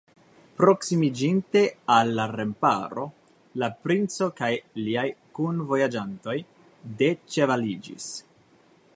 Proksimiĝinte al la remparo, la princo kaj liaj kunvojaĝantoj deĉevaliĝis.